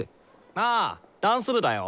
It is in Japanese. ああダンス部だよ。